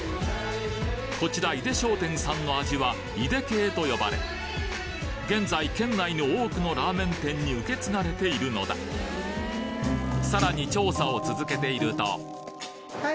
こちら井出商店さんの味は井出系と呼ばれ現在県内の多くのラーメン店に受け継がれているのださらに何？